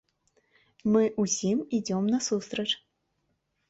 Мы ўсім ідзём насустрач.